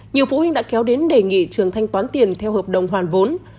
nhiều phụ huynh đã kéo đến đề nghị trường thanh toán tiền theo hợp đồng hoàn vốn